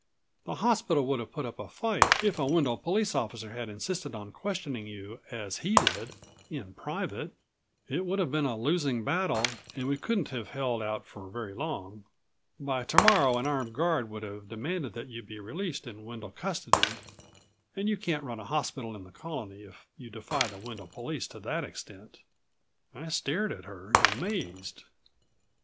"The hospital would have put up a fight if a Wendel police officer had insisted on questioning you as he did in private. It would have been a losing battle, and we couldn't have held out for very long. By tomorrow an armed guard would have demanded that you be released in Wendel custody and you can't run a hospital in the Colony if you defy the Wendel police to that extent." I stared at her, amazed.